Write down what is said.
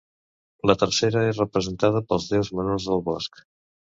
La tercera és representada pels déus menors del bosc.